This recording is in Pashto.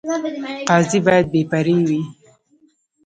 قاضي باید بې پرې وي